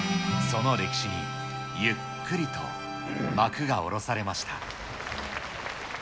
その歴史にゆっくりと幕が下ろされました。